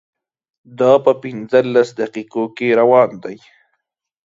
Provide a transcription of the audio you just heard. دا په پنځلس دقیقو کې روان دی.